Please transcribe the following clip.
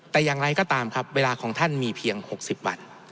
แต่อย่างไรก็ตามครับเวลาของท่านมีเพียง๖๐วัน